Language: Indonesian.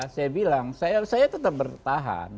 saya bilang saya tetap bertahan